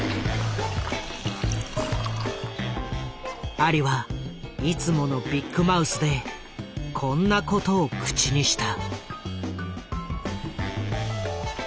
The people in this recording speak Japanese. アリはいつものビッグマウスでこんなことを口にした。